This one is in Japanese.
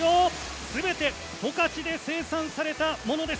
すべて十勝で生産されたものです。